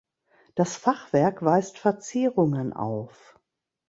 Das Fachwerk weist Verzierungen auf.